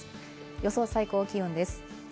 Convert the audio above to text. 予想最高気温です。